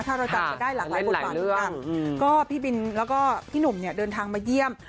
ถ้าเราจำเป็นได้หลักไว้ก่อนก็พี่บินแล้วก็พี่หนุ่มเนี่ยเดินทางมาเยี่ยม